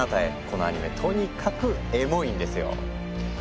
このアニメとにかくエモいんですよ。